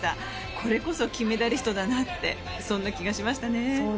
これこそ金メダリストだなってそんな気がしましたね。